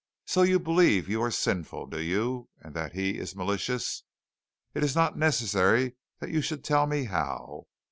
So you believe you are sinful, do you, and that He is malicious? It is not necessary that you should tell me how.